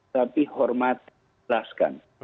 tapi hormat lelaskan